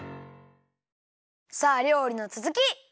さありょうりのつづき！